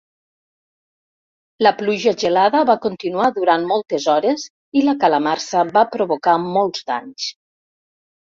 La pluja gelada va continuar durant moltes hores i la calamarsa va provocar molts danys.